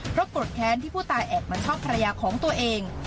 เพราะโกรธแค้นที่ผู้ตายแอบมาชอบภรรยาของตัวเอง